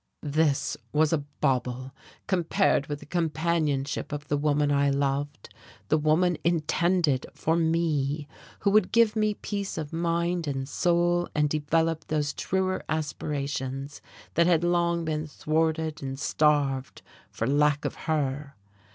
This was a bauble compared with the companionship of the woman I loved, the woman intended for me, who would give me peace of mind and soul and develop those truer aspirations that had long been thwarted and starved for lack of her.